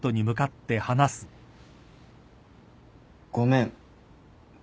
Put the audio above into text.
ごめん。